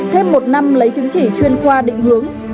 thêm một năm lấy chứng chỉ chuyên khoa định hướng